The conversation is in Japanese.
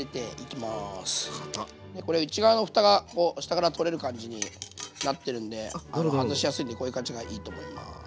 これ内側の蓋が下から取れる感じになってるんで外しやすいんでこういう感じがいいと思います。